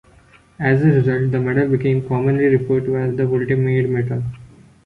As a result, the medal became commonly referred to as the "Woltemade Medal".